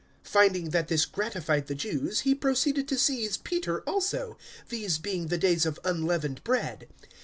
012:003 Finding that this gratified the Jews, he proceeded to seize Peter also; these being the days of Unleavened Bread.